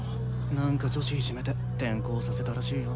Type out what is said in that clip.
なんか女子いじめて転校させたらしいよ。